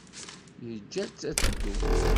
Yeǧǧa-tt ad teddu.